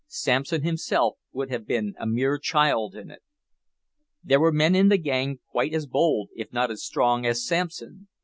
Samson himself would have been a mere child in it. There were men in the gang quite as bold, if not as strong, as Samson.